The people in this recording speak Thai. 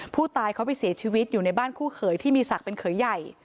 ผู้ตายเขาไปเสียชีวิตอยู่ในบ้านคู่เขยที่มีศักดิ์เป็นเขยใหญ่